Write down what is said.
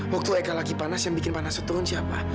waktu eka lagi panas yang bikin panas turun siapa